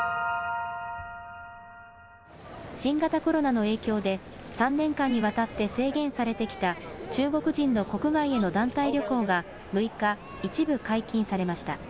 新型コロナの影響で３年間にわたって制限されてきた中国人の国外への団体旅行が６日、一部解禁されました。